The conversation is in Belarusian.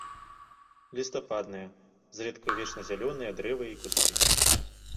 Лістападныя, зрэдку вечназялёныя дрэвы і кусты.